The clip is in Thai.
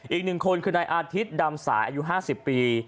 อีกหนึ่งคนคือนายอาทิตย์ดำสายอายุ๕๐ปี